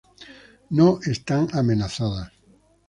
No están amenazadas.